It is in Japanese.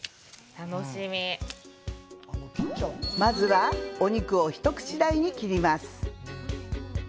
楽しみまずはお肉を一口大に切ります